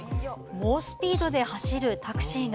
猛スピードで走るタクシーが。